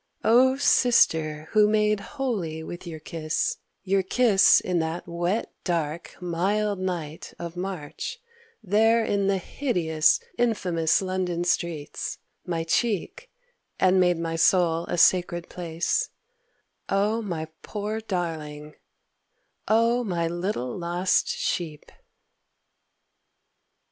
O sister who made holy with your kiss, Your kiss in that wet dark mild night of March There in the hideous infamous London streets My cheek, and made my soul a sacred place, O my poor darling, O my little lost sheep!